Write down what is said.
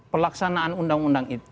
pelaksanaan undang undang itu